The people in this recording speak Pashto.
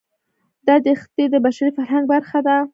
دا دښتې د بشري فرهنګ برخه ده.